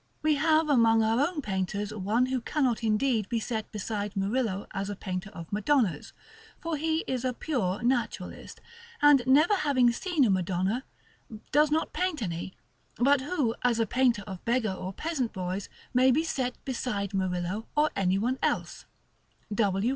We have among our own painters one who cannot indeed be set beside Murillo as a painter of Madonnas, for he is a pure Naturalist, and, never having seen a Madonna, does not paint any; but who, as a painter of beggar or peasant boys, may be set beside Murillo, or any one else, W.